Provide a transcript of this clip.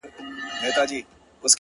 د يوسفي حُسن شروع ته سرگردانه وو ـ